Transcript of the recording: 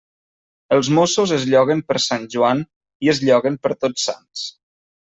Els mossos es lloguen per Sant Joan i es lloguen per Tots Sants.